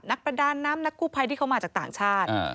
ประดาน้ำนักกู้ภัยที่เขามาจากต่างชาติ